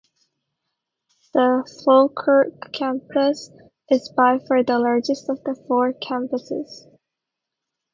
The Falkirk Campus is by far the largest of the four campuses.